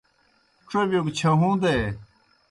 ڇوبِیو گہ چھہُون٘دے۔